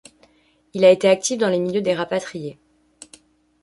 Il a été actif dans les milieux des rapatriés.